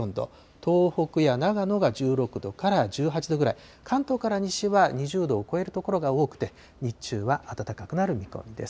東北や長野が１６度から１８度くらい、関東から西は２０度を超える所が多くて、日中は暖かくなる見込みです。